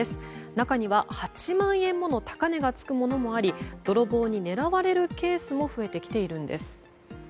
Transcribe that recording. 中には８万円もの高値が付くものもあり泥棒に狙われるケースも増えてきているんです。